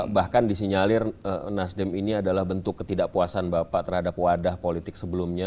bahkan disinyalir nasdem ini adalah bentuk ketidakpuasan bapak terhadap wadah politik sebelumnya